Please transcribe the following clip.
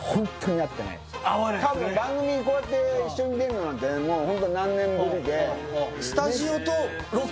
多分番組にこうやって一緒に出るのなんてもうホント何年ぶりでスタジオとロケ？